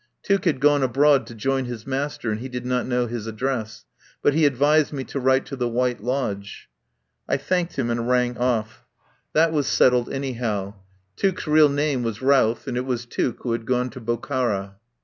Tuke had gone abroad to join his master and he did not know his address. But he advised me to write to the White Lodge. I thanked him and rang off. That was set 99 THE POWER HOUSE tied anyhow. Tuke's real name was Routh, and it was Tuke who had gone to Bokhara.